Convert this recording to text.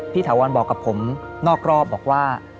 ถาวรบอกกับผมนอกรอบบอกว่า